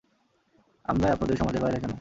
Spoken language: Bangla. আমরাই আপনাদের সমাজের বাইরে কেনো?